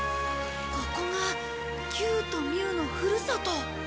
ここがキューとミューのふるさと。